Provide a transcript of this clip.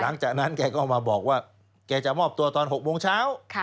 หลังจากนั้นแกก็มาบอกว่าแกจะมอบตัวตอน๖โมงเช้า